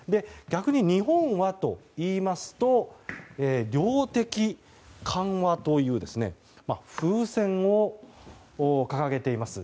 逆に日本はといいますと量的緩和という風船を掲げています。